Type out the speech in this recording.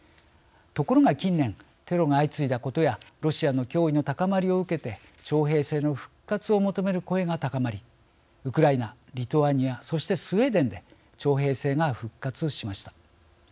ところが近年テロが相次いだことやロシアの脅威の高まりを受けて徴兵制の復活を求める声が高まりウクライナ、リトアニアそして、スウェーデンで徴兵制が復活しました。